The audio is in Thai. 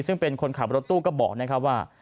ซึ่งเป็นคนขับรถตู้ก็บอกว่า